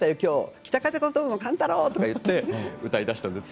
「北風小僧の寒太郎」といって歌いだしたんです。